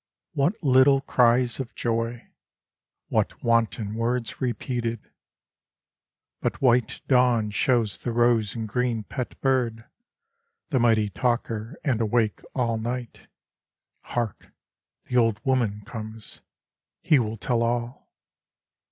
What little cries of joy I What wanton words repeated I But white dawn shows the rose and green pet bird. The mighty talker and awake all night. Hark I The old woman comes ; he will tell all.